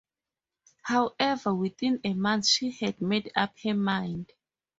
However, within a month she had made up her mind.